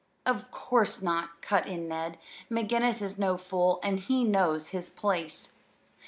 "Of course not," cut in Ned. "McGinnis is no fool, and he knows his place."